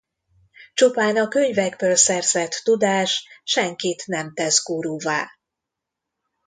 Csupán a könyvekből szerzett tudás senkit nem tesz guruvá.